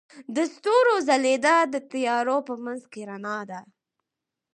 د ستورو ځلیدا د تیارو په منځ کې رڼا ده.